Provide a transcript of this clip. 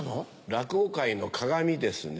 「落語界のカガミですね」